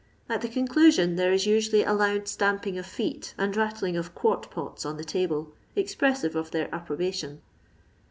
At the conclusion there is usually a loud stamping of feet and rattling of quart pots on the table, expressive of their approbation.